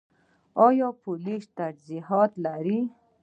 آیا پولیس تجهیزات لري؟